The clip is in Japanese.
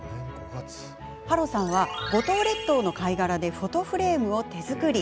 芭路さんは、五島列島の貝殻でフォトフレームを手作り。